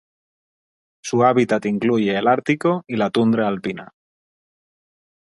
Su hábitat incluye el Ártico y la tundra alpina.